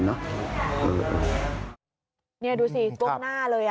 นี่ดูสิก้มหน้าเลย